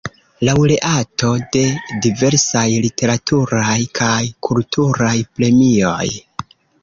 Laŭreato de diversaj literaturaj kaj kulturaj premioj.